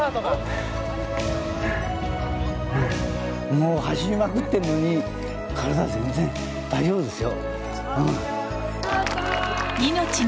もう走りまくってるのに体、全然大丈夫ですよ。